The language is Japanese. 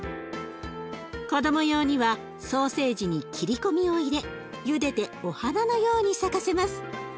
子ども用にはソーセージに切り込みを入れゆでてお花のように咲かせます。